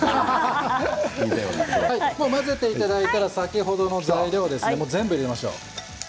混ぜていただいたら先ほどの材料を全部入れましょう。